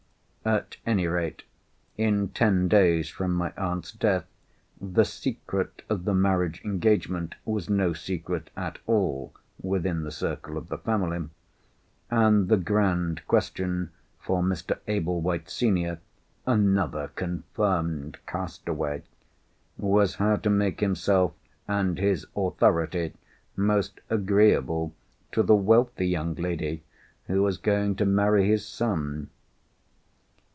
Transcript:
At any rate, in ten days from my aunt's death, the secret of the marriage engagement was no secret at all within the circle of the family, and the grand question for Mr. Ablewhite senior—another confirmed castaway!—was how to make himself and his authority most agreeable to the wealthy young lady who was going to marry his son.